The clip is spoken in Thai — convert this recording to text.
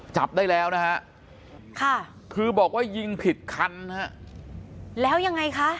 จับได้แล้วนะฮะค่ะคือบอกว่ายิงผิดคันฮะแล้วยังไงคะ